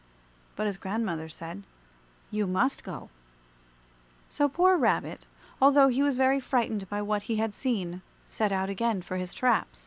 But his grandmother said, "You must go." So poor Rabbit, although he was very frightened by what he had seen, set out again for his traps.